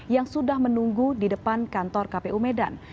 yang sudah menunggu di depan kantor kpu medan